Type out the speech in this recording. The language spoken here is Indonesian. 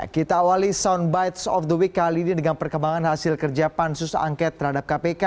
kita awali soundbites of the week kali ini dengan perkembangan hasil kerja pansus angket terhadap kpk